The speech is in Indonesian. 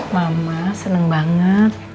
mama seneng banget